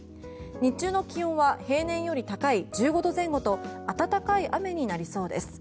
日中の気温は平年より高い１５度前後と温かい雨になりそうです。